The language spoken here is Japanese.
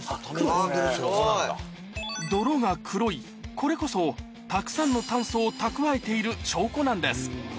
これこそたくさんの炭素を蓄えている証拠なんです